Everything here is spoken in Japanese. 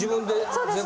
そうです